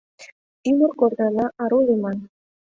Ӱмыр корнына ару лийман.